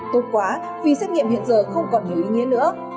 tốt quá vì xét nghiệm hiện giờ không còn nhiều ý nghĩa nữa